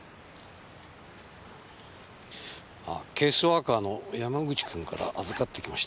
あケースワーカーの山口君から預かってきました。